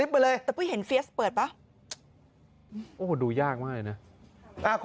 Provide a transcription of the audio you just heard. เมื่อกี้ใครเปิดเอาใหม่ออกใหม่อีกทีค่ะ